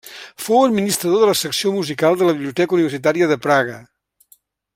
Fou administrador de la secció musical de la Biblioteca Universitària de Praga.